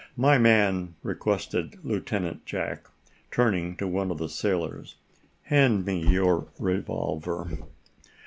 "My man," requested Lieutenant Jack, turning to one of the sailors, "hand me your revolver."